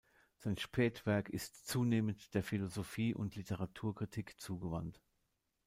Sein Spätwerk ist zunehmend der Philosophie und Literaturkritik zugewandt.